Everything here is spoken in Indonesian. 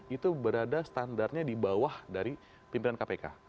itu berada standarnya di bawah dari pimpinan kpk